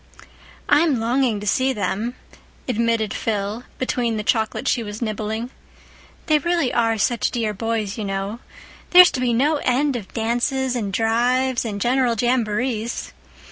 "I'm longing to see them," admitted Phil, between the chocolate she was nibbling. "They really are such dear boys, you know. There's to be no end of dances and drives and general jamborees.